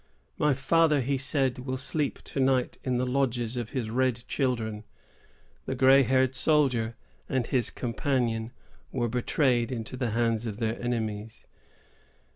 "My father," he said, "will sleep to night in the lodges of his red children." The gray haired soldier and his companion were betrayed into the hands of their enemies.